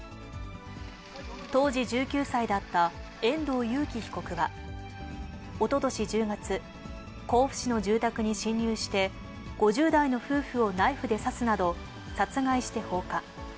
当時１９歳だった遠藤裕喜被告は、おととし１０月、甲府市の住宅に侵入して、５０代の夫婦をナイフで刺すなど、殺害して放火。